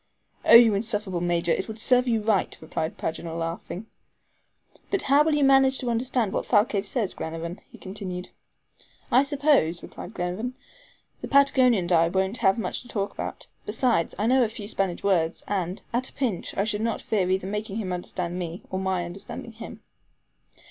"Oh, you insufferable Major; it would serve you right," replied Paganel, laughing. "But how will you manage to understand what Thalcave says, Glenarvan?" he continued. "I suppose," replied Glenarvan, "the Patagonian and I won't have much to talk about; besides, I know a few Spanish words, and, at a pinch, I should not fear either making him understand me, or my understanding him."